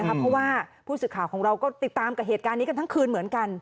เพราะว่าผู้สื่อข่าวของเราก็ติดตามกับเหตุการณ์นี้กันทั้งคืนเหมือนกัน